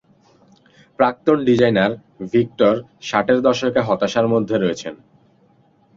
প্রাক্তন designer, Victor ষাটের দশকে হতাশার মধ্যে রয়েছেন।